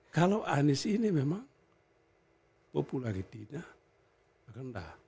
kalau anies ini memang popularitasnya rendah